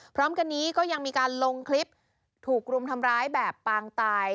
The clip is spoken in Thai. พร้อมกันนี้ก็ยังมีการลงคลิปถูกรุมทำร้ายแบบปางตาย